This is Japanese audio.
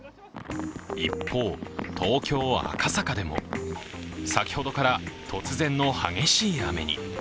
一方、東京・赤坂でも、先ほどから突然の激しい雨に。